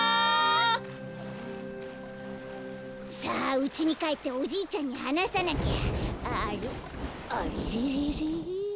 さあうちにかえっておじいちゃんにはなさなきゃ。